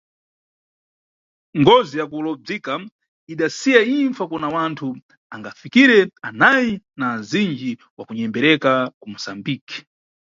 Ngozi ya kulobzwika idasiya impfa kuna wanthu angafikire anayi na azindji wa kunyembereka ku Musambiki.